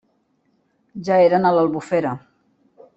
Ja eren a l'Albufera.